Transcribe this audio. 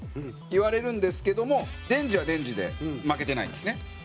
言われるんですけどもデンジはデンジで負けてないんですね。